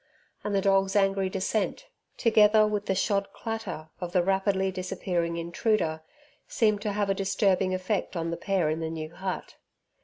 And the dog's angry dissent, together with the shod clatter of the rapidly disappearing intruder, seemed to have a disturbing effect on the pair in the new hut.